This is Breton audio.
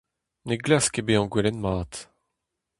Ne glask ket bezañ gwelet mat.